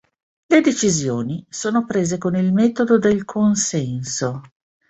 Le decisioni sono prese con il metodo del consenso.